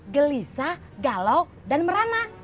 gelisah galau dan merana